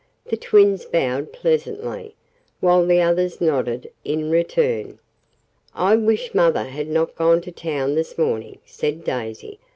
The twins bowed pleasantly, while the others nodded in return. "I wish mother had not gone to town this morning," said Daisy.